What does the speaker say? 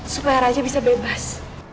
supaya raja bisa bebas